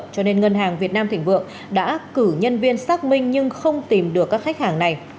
cho nên ngân hàng việt nam thịnh vượng đã cử nhân viên xác minh nhưng không tìm được các khách hàng này